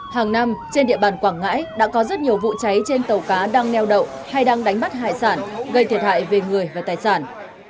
hàng năm trên địa bàn quảng ngãi đã có rất nhiều vụ cháy trên tàu cá đang neo đậu hay đang đánh bắt hải sản gây thiệt hại về người và tài sản